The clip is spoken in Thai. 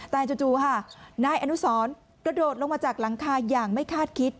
แต่จู่ค่ะนายอนุสรกระโดดลงมาจากหลังคาอย่างไม่คาดคิด